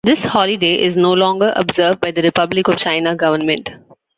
This holiday is no longer observed by the Republic of China government.